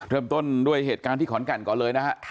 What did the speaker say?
เริ่มต้นด้วยเหตุการณ์ที่ขอนแก่นก่อนเลยนะฮะ